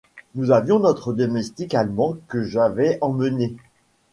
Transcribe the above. Nous avions notre domestique allemand que j'avais emmené.